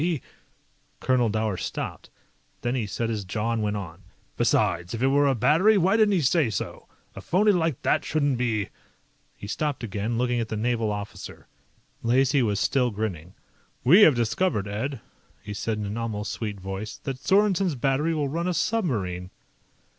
He " Colonel Dower stopped. Then he set his jaw and went on. "Besides, if it were a battery, why didn't he say so? A phony like that shouldn't be " He stopped again, looking at the naval officer. Lacey was still grinning. "We have discovered, Ed," he said in an almost sweet voice, "that Sorensen's battery will run a submarine."